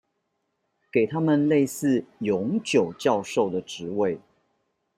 給他們類似永久教授的職位